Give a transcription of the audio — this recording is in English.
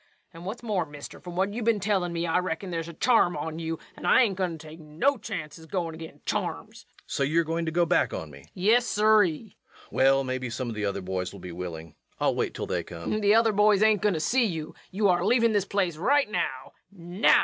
And what's more, mister, from what you been tellin' me I reckon there's a charm on you, and I ain't goin' to take no chances goin' agin charms. REVENUE. So you're going to go back on me? LUKE. Yes, siree. REVENUE. Well, maybe some of the other boys will be willing. I'll wait till they come. LUKE. The other boys ain't goin' to see you. You're a leavin' this yer place right now now!